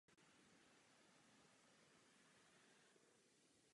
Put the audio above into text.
Poté připadlo jako odúmrť českým králům z dynastie Habsburků.